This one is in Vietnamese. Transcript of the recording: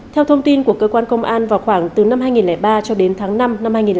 theo thông tin của cơ quan công an vào khoảng từ năm hai nghìn ba cho đến tháng năm năm hai nghìn sáu